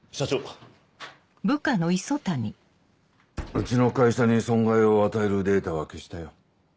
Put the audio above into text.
うちの会社に損害を与えるデータは消したよ。